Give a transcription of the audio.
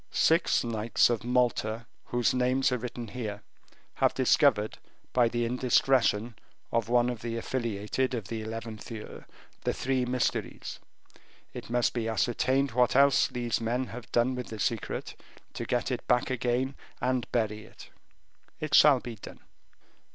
"Six knights of Malta, whose names are written here, have discovered, by the indiscretion of one of the affiliated of the eleventh year, the three mysteries; it must be ascertained what else these men have done with the secret, to get it back again and bury it." "It shall be done."